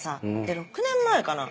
６年前かな？